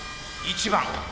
１番。